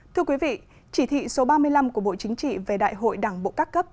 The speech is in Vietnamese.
thưa quý vị chỉ thị số ba mươi năm của bộ chính trị về đại hội đảng bộ các cấp